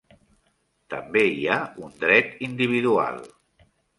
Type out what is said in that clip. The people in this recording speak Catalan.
També hi ha un dret individual.